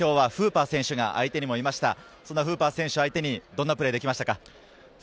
フーパー選手を相手にどんなプレーができましたか？